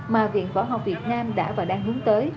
mà viện võ học việt nam đảm bảo